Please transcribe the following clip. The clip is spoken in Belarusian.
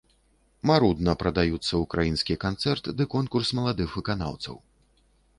Марудна прадаюцца ўкраінскі канцэрт ды конкурс маладых выканаўцаў.